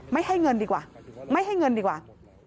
ไม่ให้เงินดีกว่าไม่ให้เงินดีกว่า